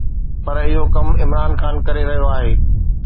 پر اهو ڪم عمران خان ڪري رهيو آهي.